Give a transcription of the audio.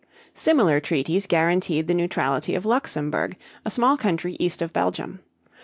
Similar treaties guaranteed the neutrality of Luxemburg, a small country east of Belgium.